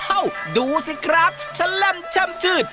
อ้าวดูสิครับฉลั่มฉ่ำชืด